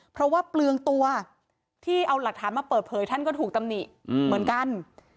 เพราะว่าเปลืองตัวที่เอาหลักฐานมาเปิดเผยท่านก็ถูกตำหนิเหมือนกัน